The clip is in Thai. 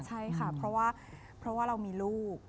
ใช่ค่ะเพราะว่าเรามีลูก